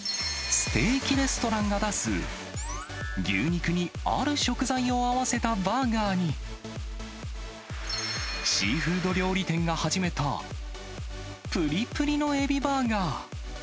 ステーキレストランが出す、牛肉に、ある食材を合わせたバーガーに、シーフード料理店が始めた、ぷりぷりのエビバーガー。